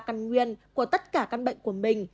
căn nguyên của tất cả căn bệnh của mình